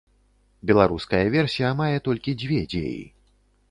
Беларуская версія мае толькі дзве дзеі.